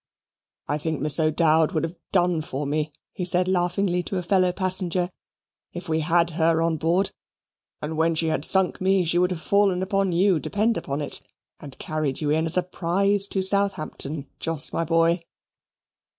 "I think Miss O'Dowd would have done for me," he said laughingly to a fellow passenger, "if we had had her on board, and when she had sunk me, she would have fallen upon you, depend upon it, and carried you in as a prize to Southampton, Jos, my boy."